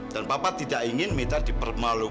dan papa tidak ingin minta dipermalukan